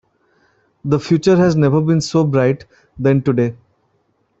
The future has never been so bright than today.